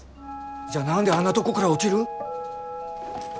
じゃあ何であんなとこから落ちる？